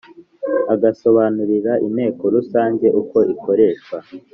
agasobanurira inteko rusange uko ikoreshwa